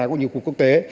cũng như của quốc tế